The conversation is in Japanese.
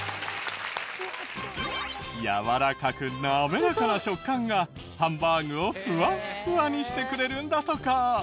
やわらかく滑らかな食感がハンバーグをフワッフワにしてくれるんだとか。